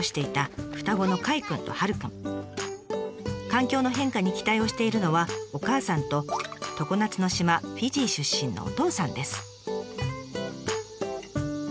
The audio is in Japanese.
環境の変化に期待をしているのはお母さんと常夏の島フィジー出身のお父さんです。